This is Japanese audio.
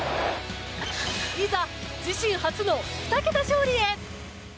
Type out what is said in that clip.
いざ、自身初の２桁勝利へ。